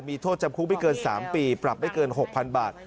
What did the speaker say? มีโทษจำคุกไม่เกิน๓ปีปรับไม่เกิน๖๐๐๐บาท